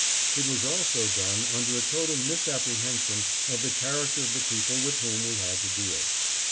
It was also done under a total misapprehension of the character of the people with whom we had to deal.